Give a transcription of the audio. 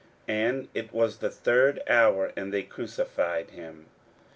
41:015:025 And it was the third hour, and they crucified him.